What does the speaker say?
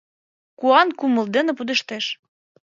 — Куан кумыл дене пудештеш...